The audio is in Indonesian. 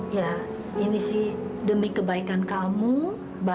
ya ini sih demi kebaikan kamu